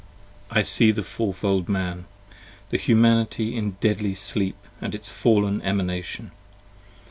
I see the Four fold Man. The Humanity in deadly sleep, And its fallen Emanation.